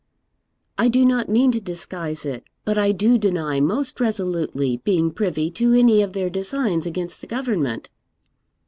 'I do not mean to disguise it; but I do deny, most resolutely, being privy to any of their designs against the government.'